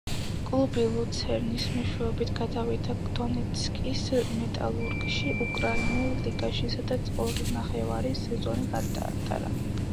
კლუბი „ლუცერნის“ მეშვეობით გადავიდა დონეცკის „მეტალურგში“, უკრაინულ ლიგაში, სადაც ორნახევარი სეზონი გაატარა.